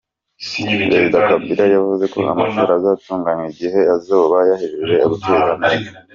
Perezida Kabila yavuze ko amatora azotunganywa igihe azoba yahejeje gutegurwa neza.